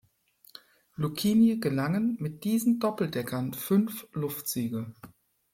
Lucchini gelangen mit diesen Doppeldeckern fünf Luftsiege.